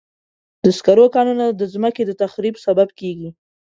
د سکرو کانونه د مځکې د تخریب سبب کېږي.